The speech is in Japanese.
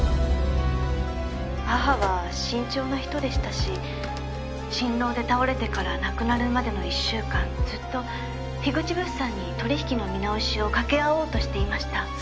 「母は慎重な人でしたし心労で倒れてから亡くなるまでの１週間ずっと口物産に取引の見直しをかけ合おうとしていました」